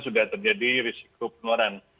sudah terjadi risiko penularan